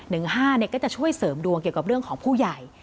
ห้าเนี่ยก็จะช่วยเสริมดวงเกี่ยวกับเรื่องของผู้ใหญ่